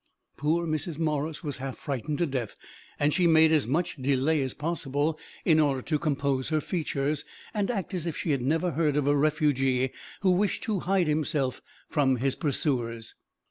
Poor Mrs. Morris was half frightened to death, and she made as much delay as possible in order to compose her features and act as if she had never heard of a refugee who wished to hide himself from his pursuers.